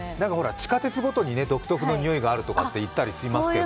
地下鉄ごとに独特のにおいがあるとかって言ったりしますけど。